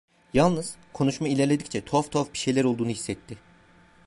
Yalnız konuşma ilerledikçe tuhaf tuhaf bir şeyler olduğunu hissetti…